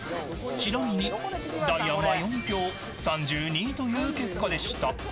ちなみにダイアンは４票３２位という結果でした。